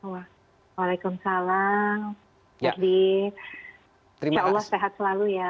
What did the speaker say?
waalaikumsalam budi insya allah sehat selalu ya